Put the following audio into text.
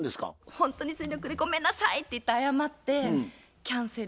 ほんとに全力で「ごめんなさい」って言って謝ってキャンセル。